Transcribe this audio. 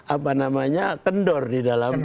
apa namanya kendor di dalam